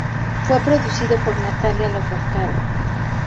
Fue producido por Natalia Lafourcade.